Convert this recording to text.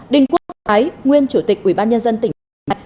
đình quốc thái nguyên chủ tịch ubnd tỉnh đồng nai